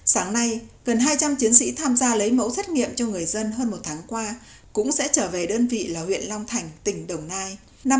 sáng nay gần hai trăm linh chiến sĩ tham gia lấy mẫu xét nghiệm cho người dân hơn một tháng qua cũng sẽ trở về đơn vị là huyện long thành tỉnh đồng nai